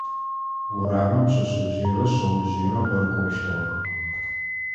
Урамым пшъэшъэжъыерэ шъэожъыерэ къырыкӀощтыгъэх.